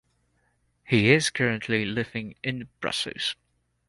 He is currently living in Brussels.